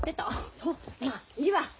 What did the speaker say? そうまいいわ。